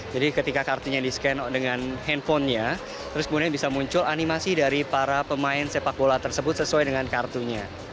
jadi ketika kartunya di scan dengan handphonenya terus kemudian bisa muncul animasi dari para pemain sepak bola tersebut sesuai dengan kartunya